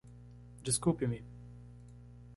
Desculpe-me!